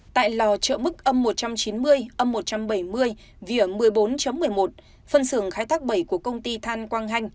tại lò chợ mức âm một trăm chín mươi âm một trăm bảy mươi vỉa một mươi bốn một mươi một phân xưởng khai thác bảy của công ty than quang hanh